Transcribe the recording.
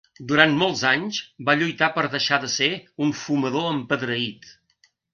Durant molts anys va lluitar per deixar de ser un fumador empedreït.